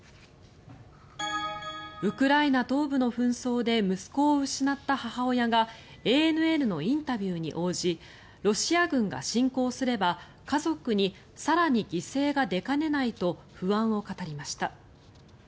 ウクライナ東部の紛争で息子を失った母親がＡＮＮのインタビューに応じロシア軍が侵攻すれば家族に更に犠牲が出かねないと不安を語りました。